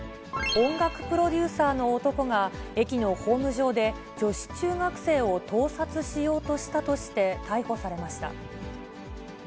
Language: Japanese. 音楽プロデューサーの男が、駅のホーム上で、女子中学生を盗撮しようとしたとして逮捕されました。